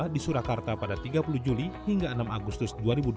di surakarta pada tiga puluh juli hingga enam agustus dua ribu dua puluh